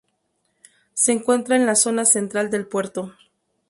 Se encuentra en la zona central del puerto.